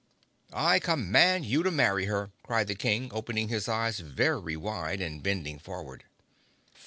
"I command him to marry her!" cried the King opening his eyes very wide and bending forward.